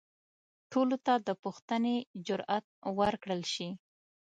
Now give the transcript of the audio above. ټولو ته د پوښتنې جرئت ورکړل شي.